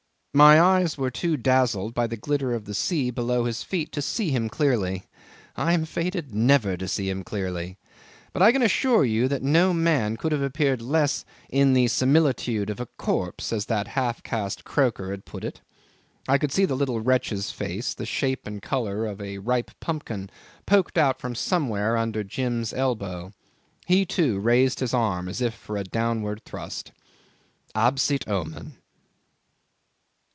My eyes were too dazzled by the glitter of the sea below his feet to see him clearly; I am fated never to see him clearly; but I can assure you no man could have appeared less "in the similitude of a corpse," as that half caste croaker had put it. I could see the little wretch's face, the shape and colour of a ripe pumpkin, poked out somewhere under Jim's elbow. He, too, raised his arm as if for a downward thrust. Absit omen!